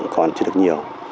còn chưa được nhiều